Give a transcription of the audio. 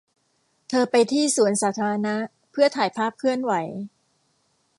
เธอไปที่สวนสาธารณะเพื่อถ่ายภาพเคลื่อนไหว